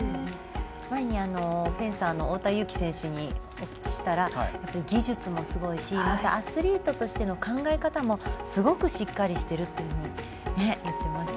前にフェンサーの太田選手にお聞きしたら技術もすごいしアスリートとしての考え方もすごくしっかりしていると言っていました。